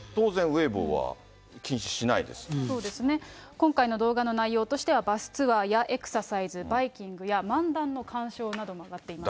今回の動画の内容としては、バスツアーやエクササイズ、バイキングや漫談の観賞なども挙がっています。